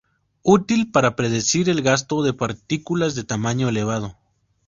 Útil para predecir el gasto de partículas de tamaño elevado.